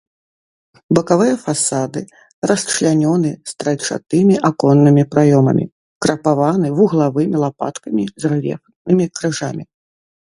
Бакавыя фасады расчлянёны стральчатымі аконнымі праёмамі, крапаваны вуглавымі лапаткамі з рэльефнымі крыжамі.